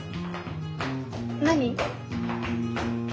何？